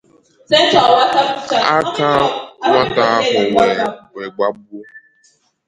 aka nwata ahụ wee gbagọọ